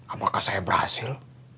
apakah saya berhasil